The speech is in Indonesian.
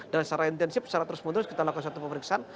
dan secara intensif secara terus menerus kita lakukan satu pemeriksaan